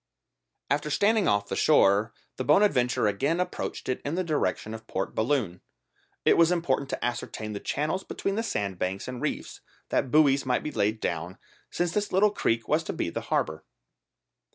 After standing off the shore the Bonadventure again approached it in the direction of Port Balloon. It was important to ascertain the channels between the sandbanks and reefs, that buoys might be laid down, since this little creek was to be the harbour.